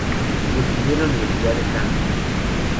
Estudió en la Universidad de Cambridge.